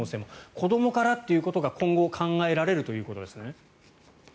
子どもからということが、今後考えられるということですね。